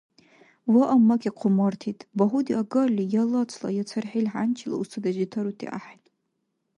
Вааммаки хъуммартид, багьуди агарли, я лацла я цархӀил хӀянчила устадеш детарути ахӀен.